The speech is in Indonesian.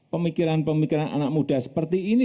pemikiran pemikiran anak muda seperti ini